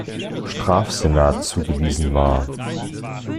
Strafsenat zugewiesen war.